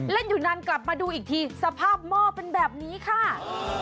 อยู่นานกลับมาดูอีกทีสภาพหม้อเป็นแบบนี้ค่ะ